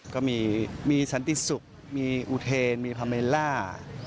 ก็มีสันติศุกร์มีอุเทนมีพาเมลล่า